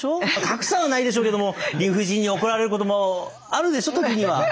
賀来さんはないでしょうけども理不尽に怒られることもあるでしょう時には。